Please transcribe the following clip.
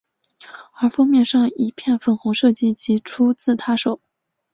而封面上一片粉红设计即出自她手。